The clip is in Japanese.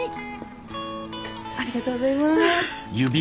ありがとうございます。